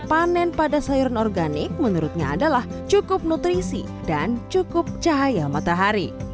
panen pada sayuran organik menurutnya adalah cukup nutrisi dan cukup cahaya matahari